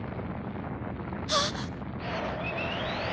あっ！